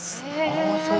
ああそう。